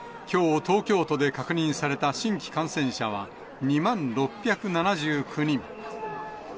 きょう、東京都で確認された新規感染者は、２万６７９人。